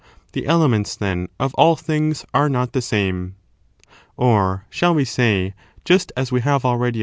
The elements, then, of • all things are not the same. ..,.„ Or, shall we say — just as we have already S.